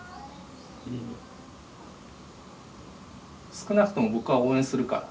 少なくとも僕は応援するから。